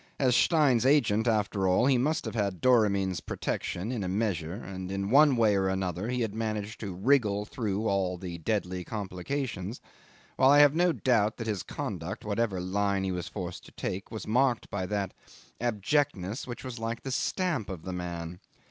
As Stein's agent, after all, he must have had Doramin's protection in a measure; and in one way or another he had managed to wriggle through all the deadly complications, while I have no doubt that his conduct, whatever line he was forced to take, was marked by that abjectness which was like the stamp of the man.